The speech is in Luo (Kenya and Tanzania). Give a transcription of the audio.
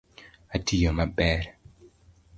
Otiyo maber?